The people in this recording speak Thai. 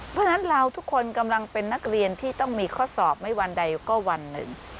เพราะฉะนั้นเราทุกคนกำลังเป็นนักเรียนที่ต้องมีข้อสอบไม่วันใดก็วันหนึ่ง